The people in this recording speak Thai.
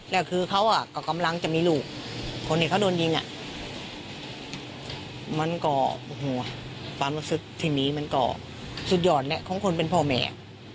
แล้วคือเขาก็กำลังจะมีลูกคนที่เขาโดนยิงมันก็โอ้โหความรู้สึกที่มีมันก็สุดยอดแหละของคนเป็นพ่อแม่